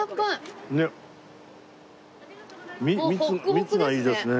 蜜がいいですね。